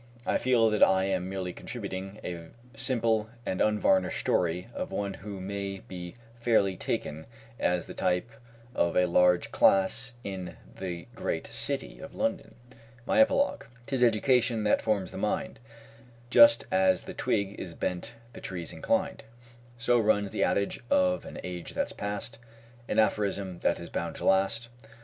I feel that I am merely contributing a simple and unvarnished story of one who may be fairly taken as the type of a large class in the great City of London. FINIS. MY EPILOGUE. "'Tis Education that forms the mind, Just as the twig is bent the tree's inclined" So runs the adage of an age that's past; An aphorism that is bound to last.